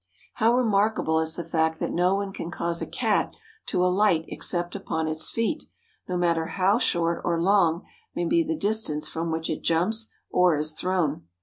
How remarkable is the fact that no one can cause a Cat to alight except upon its feet, no matter how short or long may be the distance from which it jumps or is thrown!